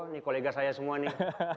ini kolega saya semua nih